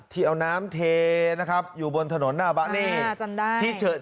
ที่เอาน้ำเทนะครับอยู่บนถนนหน้าบ้านนี่ที่เฉิด